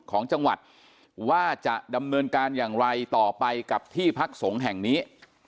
ของจังหวัดว่าจะดำเนินการอย่างไรต่อไปกับที่พักสงฆ์แห่งนี้